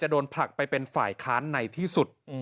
โดนผลักไปเป็นฝ่ายค้านในที่สุด